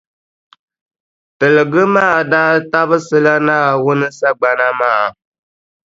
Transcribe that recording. Tiligi maa daa tabisila Naawuni sagbana maa.